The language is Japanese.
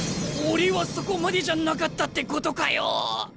俺はそこまでじゃなかったってことかよ！